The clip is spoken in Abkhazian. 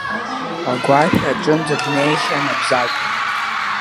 Агәашә аҿынӡа днеихьан Абзагә.